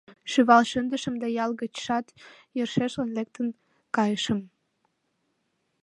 Шӱвал шындышым да ял гычшат йӧршешлан лектын кайышым.